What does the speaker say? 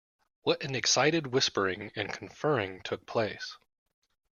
What an excited whispering and conferring took place.